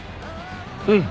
うん！